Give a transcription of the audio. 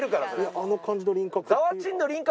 あの感じの輪郭。